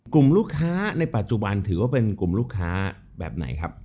กลุ่มลูกค้าในปัจจุบันถือว่าเป็นกลุ่มลูกค้าแบบไหนครับ